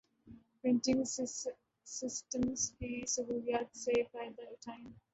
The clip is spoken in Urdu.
پریٹنگ سسٹمز کی سہولیات سے فائدہ اٹھائیں